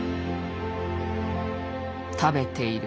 食べている。